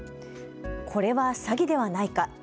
これは詐欺ではないか。